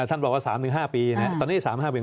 ท่านบอกว่า๓๕ปีตอนนี้๓๕๑